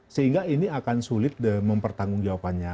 sehingga ini akan sulit mempertanggung jawabannya